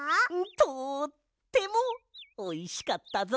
とってもおいしかったぞ！